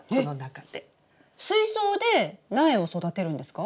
水槽で苗を育てるんですか？